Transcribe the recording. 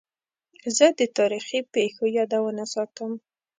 زه د تاریخي پېښو یادونه ساتم.